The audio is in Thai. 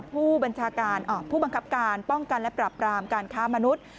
ผู้บัญชาการอ่ะผู้บังคับการป้องกันและปรับปรามการค้ามนุษย์